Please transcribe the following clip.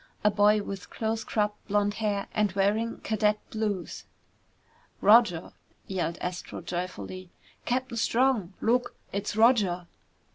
A boy with close cropped blond hair and wearing cadet blues. "Roger!" yelled Astro joyfully. "Captain Strong, look! It's Roger!"